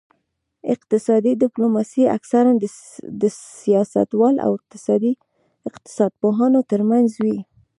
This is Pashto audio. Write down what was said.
اقتصادي ډیپلوماسي اکثراً د سیاستوالو او اقتصاد پوهانو ترمنځ وي